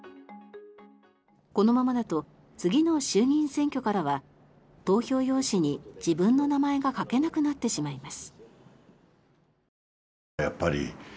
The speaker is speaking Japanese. このままだと次の衆議院選挙からは投票用紙に自分の名前が書けなくなってしまいます。